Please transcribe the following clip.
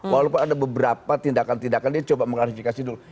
walaupun ada beberapa tindakan tindakan dia coba mengklarifikasi dulu